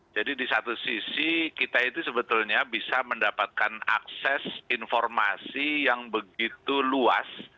jadi di satu sisi kita itu sebetulnya bisa mendapatkan akses informasi yang begitu luas